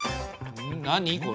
何これ？